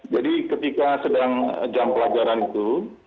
jadi ketika sedang jam pelajaran itu